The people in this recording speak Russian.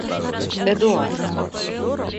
Эдуард